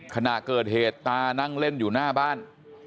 ขณะเกิดเหตุตานั่งเล่นอยู่หน้าบ้าน